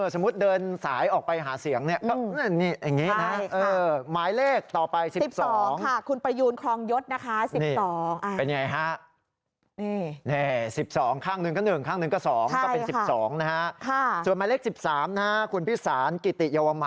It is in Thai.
สมมุติเดินสายออกไปหาเสียงเนี่ย